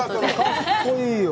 かっこいいよ。